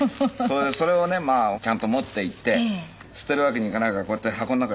それをねちゃんと持って行って捨てるわけにいかないからこうやって箱の中に。